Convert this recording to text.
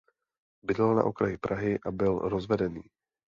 Bydlel na okraji Prahy a byl rozvedený.